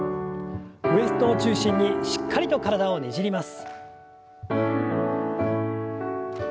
ウエストを中心にしっかりと体をねじります。